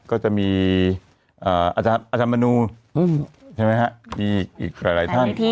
ก็จะมีอาจารย์มนูใช่ไหมฮะมีอีกหลายท่าน